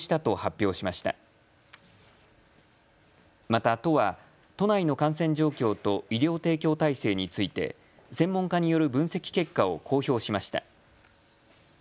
また都は都内の感染状況と医療提供体制について専門家による分析結果を公表しました。